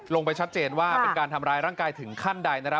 ไปชัดเจนว่าเป็นการทำร้ายร่างกายถึงขั้นใด